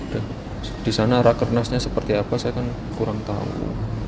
dan disana rakernasnya seperti apa saya kan kurang tahu